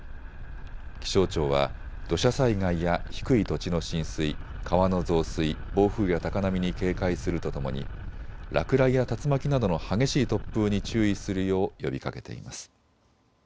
気象庁は土砂災害や低い土地の浸水、川の増水、暴風や高波に警戒するとともに落雷や竜巻などの激しい突風に注意するよう呼びかけています。